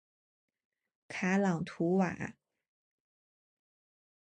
卡朗图瓦。